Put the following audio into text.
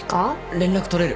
連絡取れる？